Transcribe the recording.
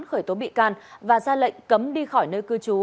khởi tố bị can và ra lệnh cấm đi khỏi nơi cư trú